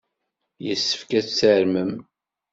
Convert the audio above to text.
Yessefk ad tarmem!